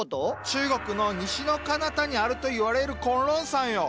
中国の西のかなたにあるといわれる崑崙山よ。